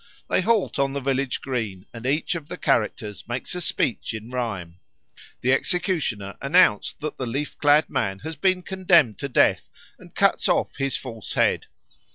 They halt on the village green, and each of the characters makes a speech in rhyme. The executioner announces that the leaf clad man has been condemned to death, and cuts off his false head.